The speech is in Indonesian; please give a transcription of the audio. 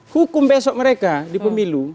hukum besok mereka di pemilu